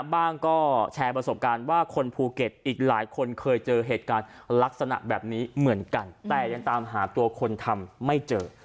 บ้างก็แชร์ประสบการณ์ว่าคนภูเก็ตอีกหลายคนเคยเจอเหตุการณ์ลักษณะแบบนี้เหมือนกันแต่ยังตามหาตัวคนทำไม่เจอ